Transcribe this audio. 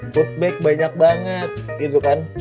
foodback banyak banget gitu kan